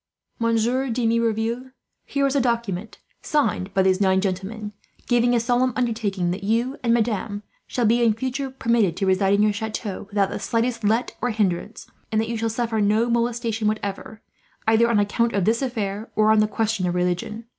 "Monsieur de Merouville, here is a document, signed by these nine gentlemen, giving a solemn undertaking that you and Madame shall be, in future, permitted to reside in your chateau without the slightest let or hindrance; and that you shall suffer no molestation, whatever, either on account of this affair, or on the question of religion.